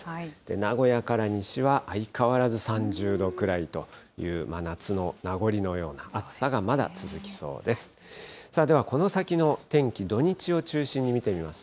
名古屋から西は、相変わらず３０度くらいという真夏の名残のような暑さがまだ続きそうです。